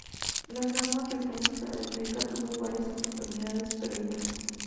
La rama británica de Decca tuvo varias oportunidades perdidas.